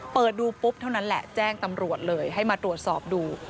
เปิดดูปุ๊บเท่านั้นแหละแจ้งตำรวจเลยให้มาตรวจสอบดู